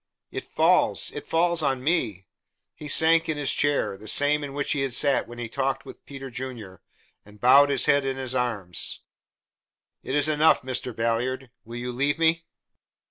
It falls it falls on me!" He sank in his chair the same in which he had sat when he talked with Peter Junior and bowed his head in his arms. "It is enough, Mr. Ballard. Will you leave me?"